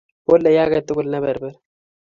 Polei age tugul ne perper.